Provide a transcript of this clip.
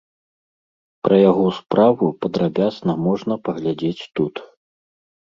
Пра яго справу падрабязна можна паглядзець тут.